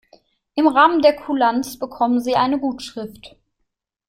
Im Rahmen der Kulanz bekommen Sie eine Gutschrift.